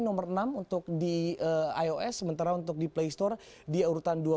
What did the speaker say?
nomor enam untuk di ios sementara untuk di play store di urutan dua puluh